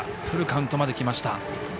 フルカウントまできました。